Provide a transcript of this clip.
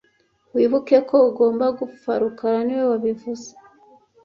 Wibuke ko ugomba gupfa rukara niwe wabivuze